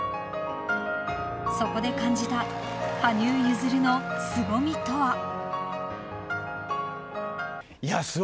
［そこで感じた羽生結弦のすごみとは］